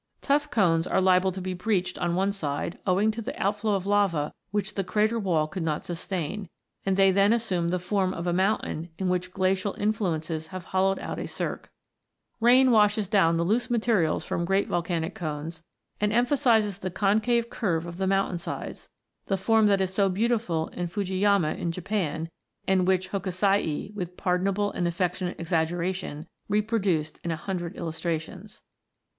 Tuff cones are liable to be breached on one side, owing to the outflow of lava which the crater wall could not sustain, and they then assume the form of a mountain in which glacial influences have hollowed out a cirque. Rain washes down the loose materials from great volcanic cones, and emphasises the concave curve of the mountain sides, the form that is so beautiful in Fuji yama in Japan, and which Hokusai, with pardon able and affectionate exaggeration, reproduced in a hundred illustrations.